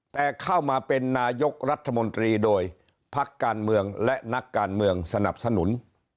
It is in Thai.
แต่เข้ามาเป็นนายกรัฐมนตรีโดยพักการเมืองและนักการเมืองสนับสนุน